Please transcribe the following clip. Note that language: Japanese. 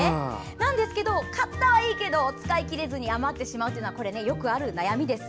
なんですけど、買ったはいいけど使い切れずに困ってしまうのはよくある悩みです。